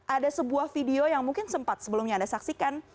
ada sebuah video yang mungkin sempat sebelumnya anda saksikan